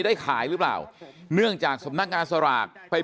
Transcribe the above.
ได้ขายหรือเปล่าเนื่องจากสำนักงานสลากไป